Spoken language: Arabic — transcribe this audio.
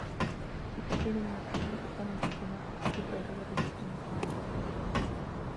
في كثير من الأحيان تقوم الحكومات الاستبدادية بسجن معارضيها السياسيين.